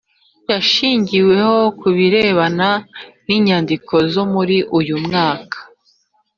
yashingiweho ku birebana n’inyandiko zo muri uyu mwaka